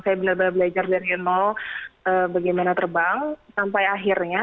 saya benar benar belajar dari nol bagaimana terbang sampai akhirnya